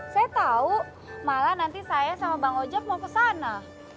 saya tahu malah nanti saya sama bang ojek mau ke sana